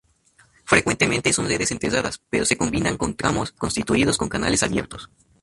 Frecuentemente son redes enterradas, pero se combinan con tramos constituidos con canales abiertos.